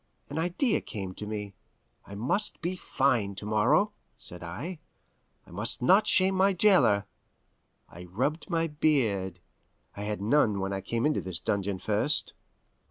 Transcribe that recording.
An idea came to me. "I must be fine to morrow," said I. "I must not shame my jailer." I rubbed my beard I had none when I came into this dungeon first.